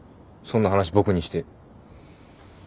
そんな話僕にして。